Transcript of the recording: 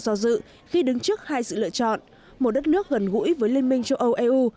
do dự khi đứng trước hai sự lựa chọn một đất nước gần gũi với liên minh châu âu eu